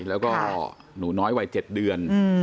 แล้วก็หนูน้อยวัย๗เดือน